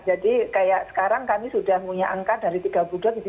jadi kayak sekarang kami sudah punya angka dari tiga puluh dua sampai tiga puluh tiga